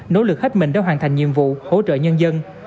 nỗ lực hết mình để hoàn thành nhiệm vụ hỗ trợ nhân dân